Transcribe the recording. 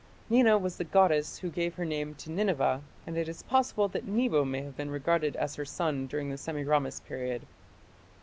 Nina was the goddess who gave her name to Nineveh, and it is possible that Nebo may have been regarded as her son during the Semiramis period.